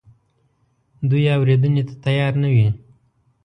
دوی یې اورېدنې ته تیار نه وي.